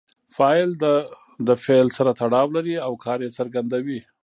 فاعل د فعل سره تړاو لري او کار ئې څرګندوي.